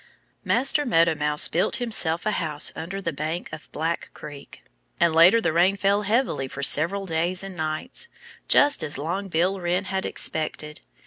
Master Meadow Mouse built himself a house under the bank of Black Creek. And later the rain fell heavily for several days and nights, just as Long Bill Wren had expected.